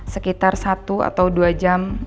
sekitar satu atau dua jam